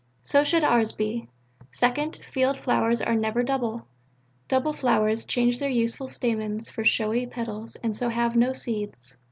So should ours be. Second: field flowers are never double: double flowers change their useful stamens for showy petals and so have no seeds.